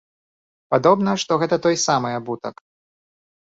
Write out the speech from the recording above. Падобна, што гэта той самы абутак.